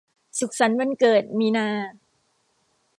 สุขสันต์วันเกิดมีนา